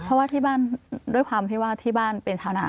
เพราะว่าที่บ้านด้วยความที่ว่าที่บ้านเป็นชาวนา